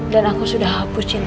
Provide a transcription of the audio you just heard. dan aku sudah hapus cinta